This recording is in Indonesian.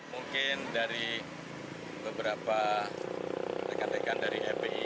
mungkin dari beberapa dekan dekan dari fpi